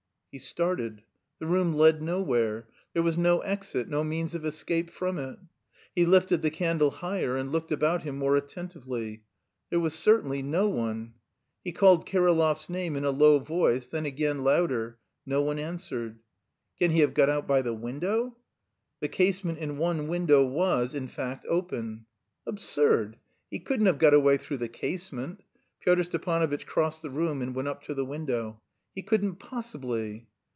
He started. The room led nowhere. There was no exit, no means of escape from it. He lifted the candle higher and looked about him more attentively: there was certainly no one. He called Kirillov's name in a low voice, then again louder; no one answered. "Can he have got out by the window?" The casement in one window was, in fact, open. "Absurd! He couldn't have got away through the casement." Pyotr Stepanovitch crossed the room and went up to the window. "He couldn't possibly."